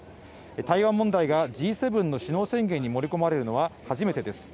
台湾問題がＧ７の首脳宣言に盛り込まれるのは初めてです。